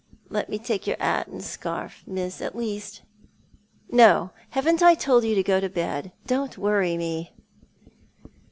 Let me take your 'at and scarf, miss, at least." " No. Haven't I told you to go to bed ? Don't worry me."